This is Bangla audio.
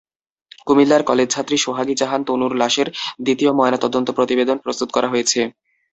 কুমিল্লার কলেজছাত্রী সোহাগী জাহান তনুর লাশের দ্বিতীয় ময়নাতদন্ত প্রতিবেদন প্রস্তুত করা হয়েছে।